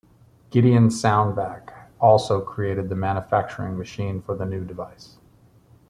Gideon Sundback also created the manufacturing machine for the new device.